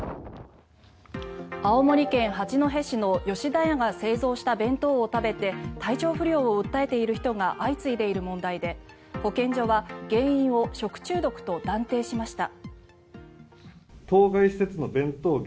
青森県八戸市の吉田屋が製造した弁当を食べて体調不良を訴えている人が相次いでいる問題で保健所は原因を食中毒と断定しました。